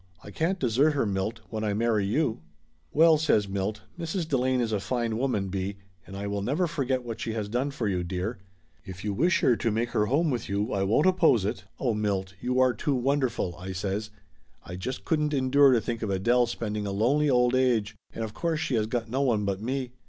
I can't desert her, Milt, when I marry you." "Well," says Milt, "Mrs. Delane is a fine woman, B., and I will never forget what she has done for you, Laughter Limited 333 dear. If you wish her to make her home with you I won't oppose it." "Oh, Milt, you are too wonderful !" I says. "I just couldn't endure to think of Adele spending a lonely old age, and of course she has got no one but me.